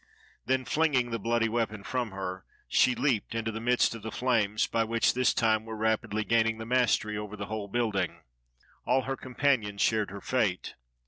Then flinging the bloody weapon from her, she leaped into the midst of the flames, which by this time were rapidly gaining the mastery over the whole building. All her companions shared her fate.